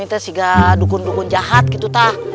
itu bukan dukun dukun jahat gitu tak